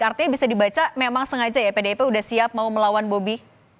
artinya bisa dibaca memang sengaja ya pdip sudah siap mau melawan bobi